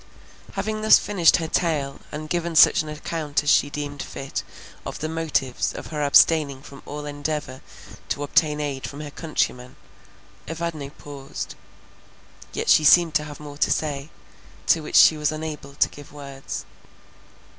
Having thus finished her tale, and given such an account as she deemed fit, of the motives of her abstaining from all endeavour to obtain aid from her countrymen, Evadne paused; yet she seemed to have more to say, to which she was unable to give words.